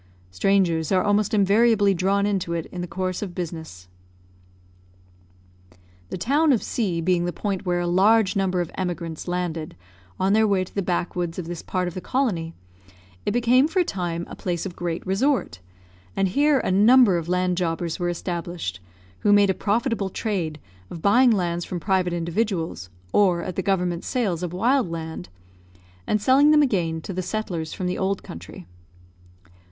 Strangers are almost invariably drawn into it in the course of business. The town of C being the point where a large number of emigrants landed on their way to the backwoods of this part of the colony, it became for a time a place of great resort, and here a number of land jobbers were established, who made a profitable trade of buying lands from private individuals, or at the government sales of wild land, and selling them again to the settlers from the old country.